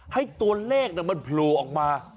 ให้ตัวเลขมันโผล่ออกมา